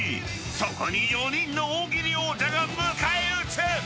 ［そこに４人の大喜利王者が迎え撃つ！］